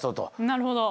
なるほど。